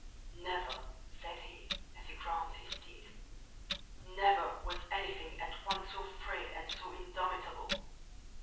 "Never," said he, as he ground his teeth, "never was anything at once so frail and so indomitable.